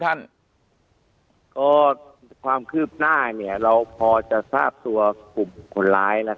ท่านก็ความคืบหน้าเราพอจะทราบตัวกลุ่มคนร้าย